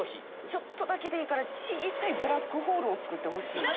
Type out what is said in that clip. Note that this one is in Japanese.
ちょっとだけでいいから小さいブラックホールを作ってほしい。